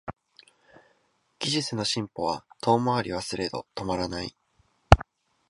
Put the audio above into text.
技術の進歩は遠回りはすれど止まらない